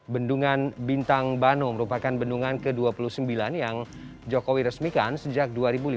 bendungan bintang bano merupakan bendungan ke dua puluh sembilan yang jokowi resmikan sejak dua ribu lima belas